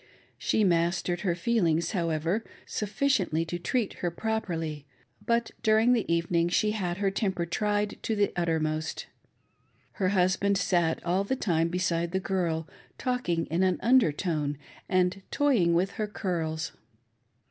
She mastered her feelings, however, sufficiently to treat her properly ; but during the evening she had her temper tried to the uttermost. Her husband sat all the time beside the girl, talking in an under tone, and toying with her curls.